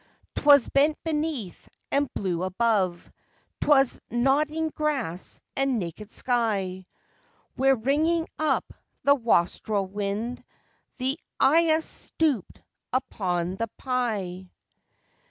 _'Twas bent beneath and blue above, 'Twas nodding grass and naked sky, Where ringing up the wastrel wind The eyass stooped upon the pye.